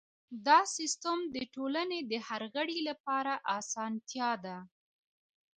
دا سیستم د ټولنې د هر غړي لپاره اسانتیا ده.